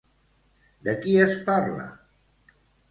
De qui es parla?